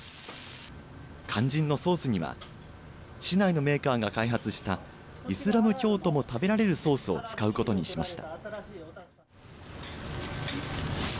肝心のソースには市内のメーカーが開発したイスラム教徒も食べられるソースを使うことにしました。